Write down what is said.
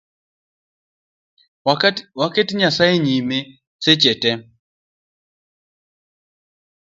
Waket Nyasaye nyime seche tee